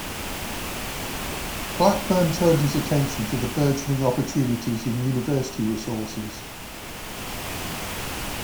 Blackburn turned his attention to the burgeoning opportunities in university resources.